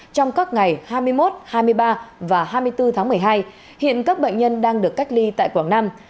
trong các ngày hai mươi một hai mươi ba và hai mươi bốn tháng một mươi hai hiện các bệnh nhân đang được cách ly tại quảng nam